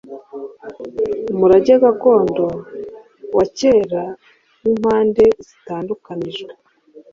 Umurage gakondo wa kerawimpande zidatunganijwe